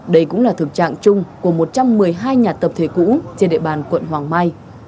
đây cũng là thực trạng chung của một trăm một mươi hai nhà tập thể cũ trên địa bàn quận hoàng mai